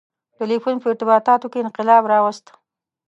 • ټیلیفون په ارتباطاتو کې انقلاب راوست.